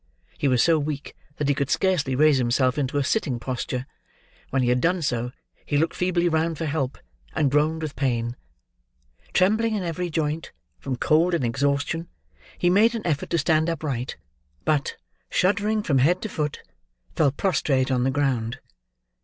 He was so weak, that he could scarcely raise himself into a sitting posture; when he had done so, he looked feebly round for help, and groaned with pain. Trembling in every joint, from cold and exhaustion, he made an effort to stand upright; but, shuddering from head to foot, fell prostrate on the ground.